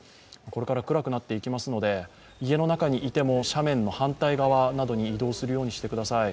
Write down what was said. これから暗くなっていきますので、家の中にいても斜面の反対側などに移動するようにしてください。